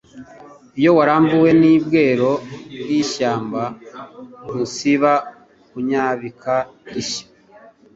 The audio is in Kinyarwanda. Iyo waramvuwe ni Bwero bw'ishyamba ntusiba kunyambika ishya,